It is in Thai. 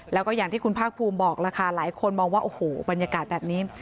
แล้วก็อย่างที่คุณภาคภูมิบอกล่ะค่ะหลายคนมองว่าโอ้โหบรรยากาศแบบนี้